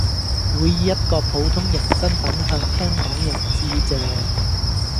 會以一個普通人身份向香港人致謝